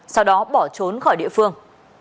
sau đó bỏ trốn khỏi địa phương